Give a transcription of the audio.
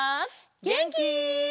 げんき？